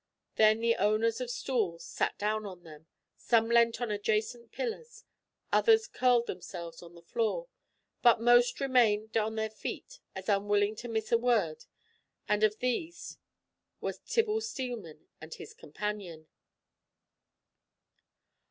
Then the owners of stools sat down on them, some leant on adjacent pillars, others curled themselves on the floor, but most remained on their feet as unwilling to miss a word, and of these were Tibble Steelman and his companion.